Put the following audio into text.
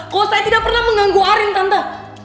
kalau saya tidak pernah mengganggu arim tante